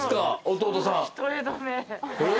弟さん。